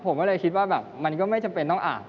ผมก็เลยคิดว่าแบบมันก็ไม่จำเป็นต้องอ่าน